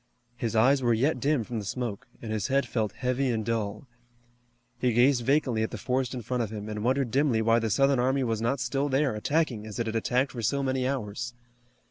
His eyes were yet dim from the smoke, and his head felt heavy and dull. He gazed vacantly at the forest in front of him, and wondered dimly why the Southern army was not still there, attacking, as it had attacked for so many hours.